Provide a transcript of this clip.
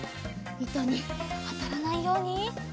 いとにあたらないように。